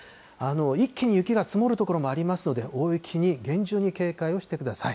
一気に雪が積もる所もありますので、大雪に厳重に警戒をしてください。